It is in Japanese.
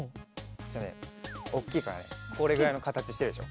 じゃあねおっきいからねこれぐらいのかたちしてるでしょ。